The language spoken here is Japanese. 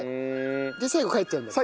で最後帰っちゃうんだっけ？